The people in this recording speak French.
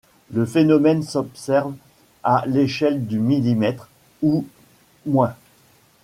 Le phénomène s'observe à l'échelle du millimètre, ou moins.